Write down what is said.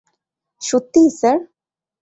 সত্যিই, স্যার?